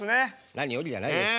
何よりじゃないですか。